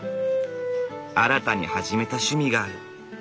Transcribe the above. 新たに始めた趣味がある。